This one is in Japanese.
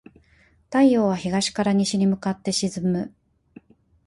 太陽は東から西に向かって沈む。